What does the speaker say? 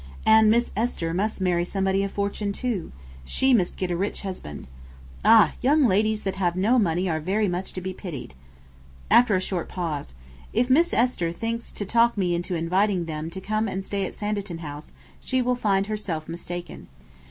And Miss Esther must marry somebody of fortune, too. She must get a rich husband. Ah! young ladies that have no money are very much to be pitied.' After a short pause: 'If Miss Esther thinks to talk me into inviting them to come and stay at Sanditon House, she will find herself mistaken.